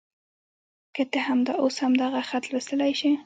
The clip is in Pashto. که ته همدا اوس همدغه خط لوستلی شې.